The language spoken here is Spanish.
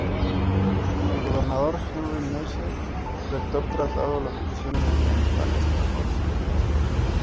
El gobernador Henry Massey Rector traslado las funciones gubernamentales a Hot Springs.